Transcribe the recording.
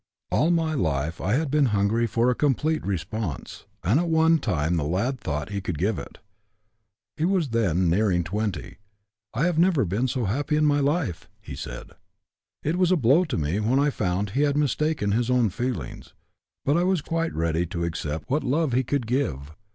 "All my life I had been hungry for a complete response, and at one time the lad thought he could give it. He was then nearing 20. 'I have never been so happy in my life,' he said. It was a blow to me when I found he had mistaken his own feelings, but I was quite ready to accept what love he could give.